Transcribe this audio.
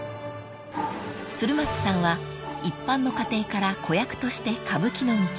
［鶴松さんは一般の家庭から子役として歌舞伎の道へ］